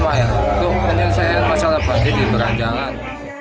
untuk menyelesaikan masalah banjir di peranjangan